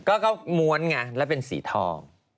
ก็มวลอันนี้แล้วเป็นสีทอง